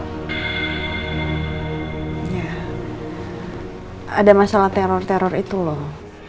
ada masalah teror teror itu loh